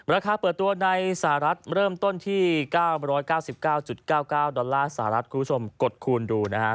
ราคาเปิดตัวในสหรัฐเริ่มต้นที่๙๙๙๙๙๙ดอลลาร์สหรัฐคุณผู้ชมกดคูณดูนะฮะ